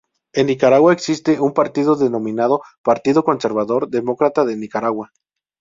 En Nicaragua existe un partido denominado Partido Conservador Demócrata de Nicaragua.